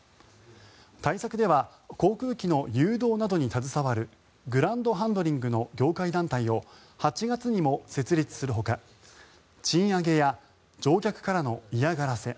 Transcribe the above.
対策では航空機の誘導などに携わるグランドハンドリングの業界団体を８月にも設立するほか賃上げや乗客からの嫌がらせ